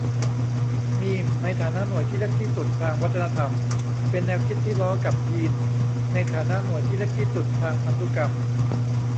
มีม ในฐานะหน่วยที่เล็กที่สุดทางวัฒนธรรม เป็นแนวคิดที่ล้อกับ ยีน ในฐานะหน่วยที่เล็กที่สุดทางพันธุกรรม